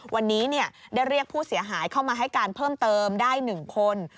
วันนี้ได้เรียกผู้เสียหายเข้ามาให้การเพิ่มเติมได้๑คน